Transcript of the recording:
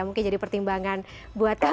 mungkin jadi pertimbangan buat kami